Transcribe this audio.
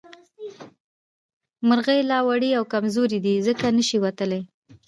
مرغۍ لا وړې او کمزورې دي ځکه نه شي اوتلې